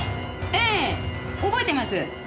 ええ覚えてます。